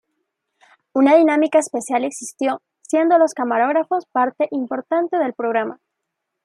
Una dinámica especial existió; siendo los camarógrafos parte importante del programa.